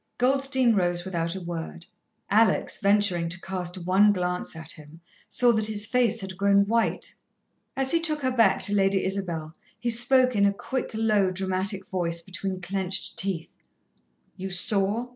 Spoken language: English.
Goldstein rose without a word. Alex, venturing to cast one glance at him, saw that his face had grown white. As he took her back to Lady Isabel, he spoke in a quick, low, dramatic voice between clenched teeth: "You saw?